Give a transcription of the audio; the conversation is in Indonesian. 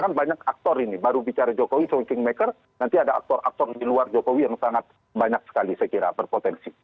karena banyak aktor ini baru bicara jokowi soe kingmaker nanti ada aktor aktor di luar jokowi yang sangat banyak sekali saya kira berpotensi